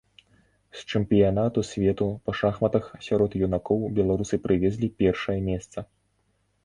З чэмпіянату свету па шахматах сярод юнакоў беларусы прывезлі першае месца.